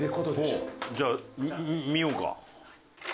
じゃあ見ようか。